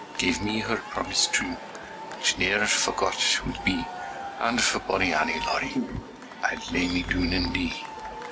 Gave me her promise true, Which ne'er forgot will be, And for bonnie Annie Laurie, I lay me doon and dee.